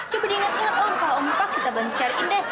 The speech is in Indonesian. coba diingat ingat om kalau om lupa kita bantu cariin deh